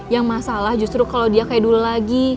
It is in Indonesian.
yang masalah justru kalau dia kayak dulu lagi